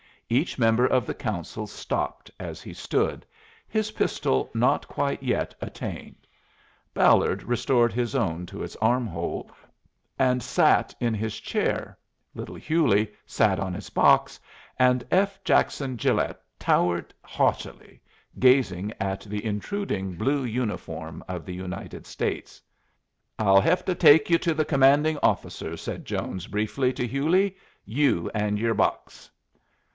Each member of the Council stopped as he stood, his pistol not quite yet attained; Ballard restored his own to its armhole and sat in his chair; little Hewley sat on his box; and F. Jackson Gilet towered haughtily, gazing at the intruding blue uniform of the United States. "I'll hev to take you to the commanding officer," said Jones, briefly, to Hewley. "You and yer box."